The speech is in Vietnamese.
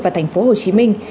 và thành phố hồ chí minh